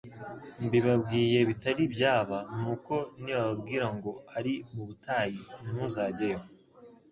Mbibabwiye bitari byaba. Nuko nibababwira ngo ari mu butayi, ntimuzajyeyo,